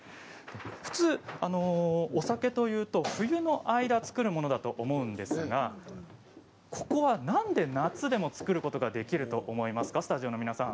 普通、お酒というと冬の間造るものだと思うんですがここは何で夏でも造ることができると思いますか、スタジオの皆さん。